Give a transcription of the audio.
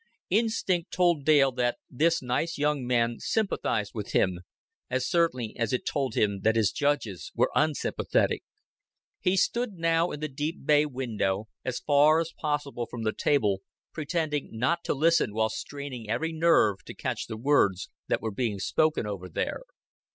Instinct told Dale that this nice young man sympathized with him, as certainly as it told him that his judges were unsympathetic. He stood now in the deep bay window, as far as possible from the table, pretending not to listen while straining every nerve to catch the words that were being spoken over there.